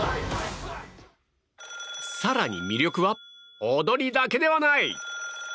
更に、魅力は踊りだけではない。